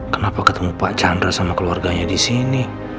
kenapa ketemu pak chandra sama keluarganya disini